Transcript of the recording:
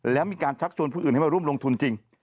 แล้วมีการชักชวนผู้อื่นให้มาร่วมลงทุนจริง